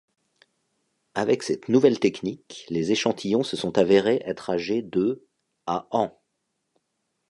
Avec cette nouvelle technique, les échantillons se sont avérés être âgés de à ans.